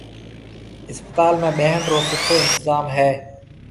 اسپتال ۾ ٻھڻ رو سٺو انتطام ھيََََ